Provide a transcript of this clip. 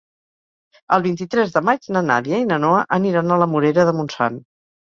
El vint-i-tres de maig na Nàdia i na Noa aniran a la Morera de Montsant.